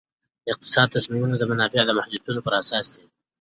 اقتصادي تصمیمونه د منابعو د محدودیتونو پر اساس دي.